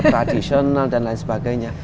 tradisional dan lain sebagainya